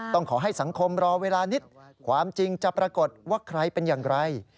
ต้องขอให้สังคมรอเวลานิดความจริงจะปรากฏว่าใครเป็นอย่างไร